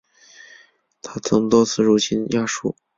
他曾多次入侵亚述。